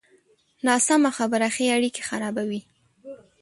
ناسمه خبره ښې اړیکې خرابوي.